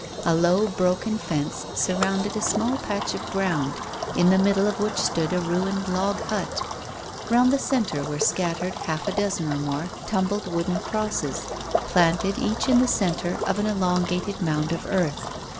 A low broken fence surrounded a small patch of ground, in the middle of which stood a ruined log hut. Round the centre were scattered half a dozen or more tumbled wooden crosses, planted each in the centre of an elongated mound of earth.